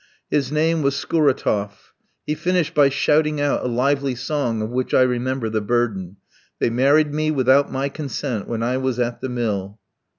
His name was Scuratoff. He finished by shouting out a lively song of which I remember the burden: They married me without my consent, When I was at the mill.